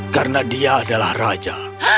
karena dia adalah raja